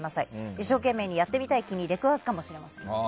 一生懸命にやってみたい気に出くわすかもしれません。